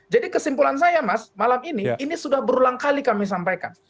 jadi kesimpulan saya mas malam ini ini sudah berulang kali kami sampaikan